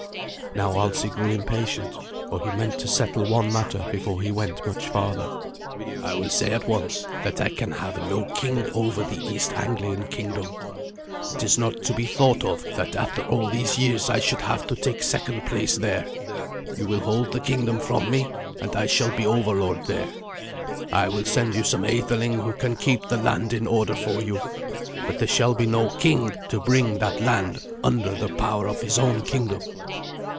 Now Alsi grew impatient, for he meant to settle one matter before he went much farther. "I will say at once that I can have no king over the East Anglian kingdom. It is not to be thought of that after all these years I should have to take second place there. You will hold the kingdom from me, and I shall be overlord there. I will send you some atheling who can keep the land in order for you, but there shall be no king to bring that land under the power of his own kingdom."